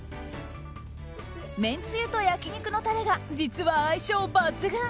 めんつゆと焼き肉のタレが実は相性抜群！